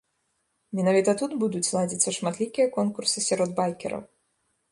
Менавіта тут будуць ладзіцца шматлікія конкурсы сярод байкераў.